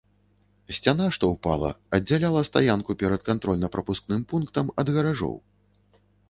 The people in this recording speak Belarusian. Сцяна, што ўпала, аддзяляла стаянку перад кантрольна-прапускным пунктам ад гаражоў.